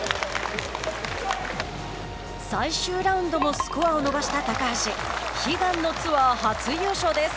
最終ラウンドもスコアを伸ばした高橋悲願のツアー初優勝です。